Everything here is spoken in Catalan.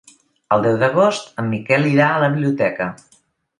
El deu d'agost en Miquel irà a la biblioteca.